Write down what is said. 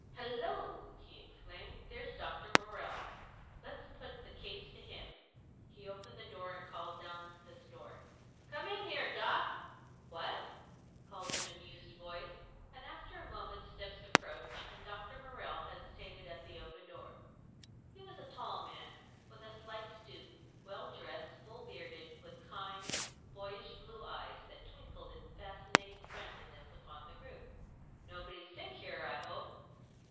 "Hello!" he exclaimed. "There's Dr. Morrell. Let's put the case to him." He opened the door and called down the store, "Come in here, Doc!" "What?" called back an amused voice; and after a moment steps approached, and Dr. Morrell hesitated at the open door. He was a tall man, with a slight stoop; well dressed; full bearded; with kind, boyish blue eyes that twinkled in fascinating friendliness upon the group. "Nobody sick here, I hope?"